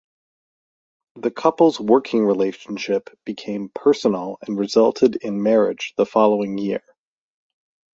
The couple's working relationship became personal and resulted in marriage the following year.